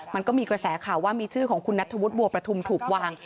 มันก็มีกระแสข่าวว่ามีชื่อของคุณนัทธวุฒิบัวประทุมถูกวาง